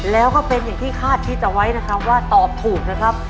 แล้วก็เป็นอย่างที่คาดพี่จะไว้ว่าตอบถูกนะครับ